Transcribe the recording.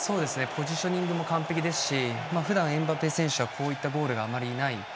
ポジショニングも完璧ですしふだんエムバペ選手はこういったゴールがあまりない。